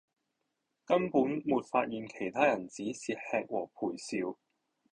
根本沒發現其他人只是吃和陪笑